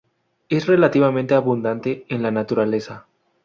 Es relativamente abundante en la naturaleza.